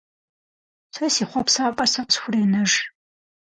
Сэ си хъуэпсапӏэр сэ къысхуренэж!